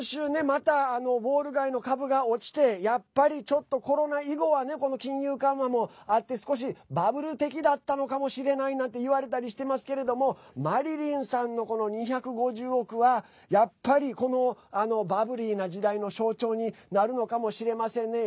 またウォール街の株が落ちてやっぱり、ちょっとコロナ以後はこの金融緩和もあって少しバブル的だったのかもしれないなんて言われたりしてますけれどもマリリンさんの２５０億はやっぱり、このバブリーな時代の象徴になるのかもしれませんね。